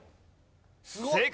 正解。